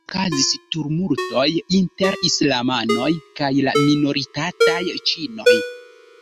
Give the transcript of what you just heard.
Baldaŭ okazis tumultoj inter islamanoj kaj la minoritataj ĉinoj.